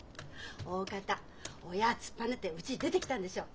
おおかた親突っぱねてうち出てきたんでしょう？